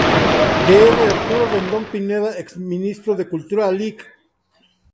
Dr. Arturo Rendón Pineda ex ministro de Cultura, Lic.